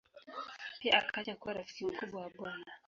Pia akaja kuwa rafiki mkubwa wa Bw.